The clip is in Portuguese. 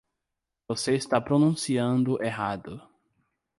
Você está pronunciando errado.